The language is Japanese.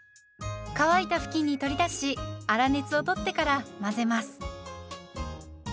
乾いた布巾に取り出し粗熱を取ってから混ぜます。